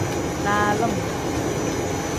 Nalim.